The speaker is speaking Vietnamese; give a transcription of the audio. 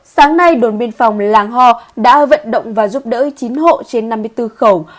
sáng nay đồn biên phòng làng hò đã vận động và giúp đỡ chín hộ trên năm mươi bốn khẩu